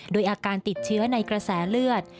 โดยอาการติดเชื้อในกระแสเลือด